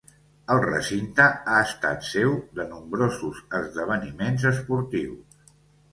El recinte ha estat seu de nombrosos esdeveniments esportius.